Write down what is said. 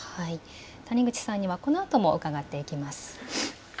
谷口さんには、このあとも伺っていきます。